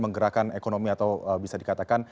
menggerakkan ekonomi atau bisa dikatakan